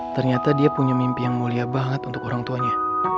ternyata dia punya mimpi yang mulia banget untuk orang tuanya